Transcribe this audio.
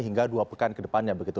hingga dua pekan ke depannya begitu